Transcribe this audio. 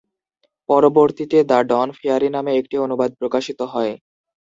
পরবর্তীতে "the Dawn Fairy" নামে একটি অনুবাদ প্রকাশিত হয়।